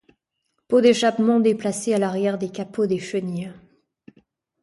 Pots d'échappement déplacés à l'arrière des capots des chenilles.